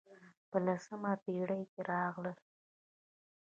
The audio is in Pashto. په لسمه پېړۍ کې راغلل.